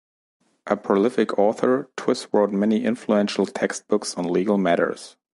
A prolific author, Twiss wrote many influential textbooks on legal matters.